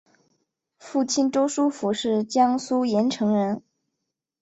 父亲周书府是江苏盐城人。